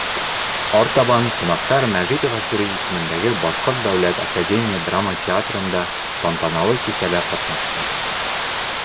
Артабан ҡунаҡтар Мәжит Ғафури исемендәге Башҡорт дәүләт академия драма театрында тантаналы кисәлә ҡатнашты.